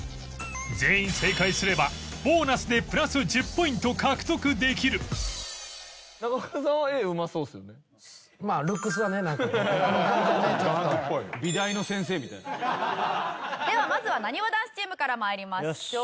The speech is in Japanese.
全員正解すればボーナスでプラス１０ポイント獲得できるではまずはなにわ男子チームから参りましょう。